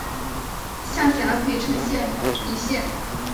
下辖涪城县一县。